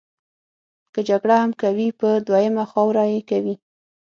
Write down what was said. که جګړه هم کوي پر دویمه خاوره یې کوي.